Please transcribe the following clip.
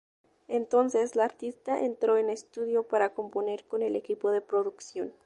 Entonces, la artista entró en estudio para componer con el equipo de producción.